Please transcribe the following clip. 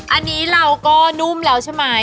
อันนี้เราก็นุ่มแล้วใช่ไหม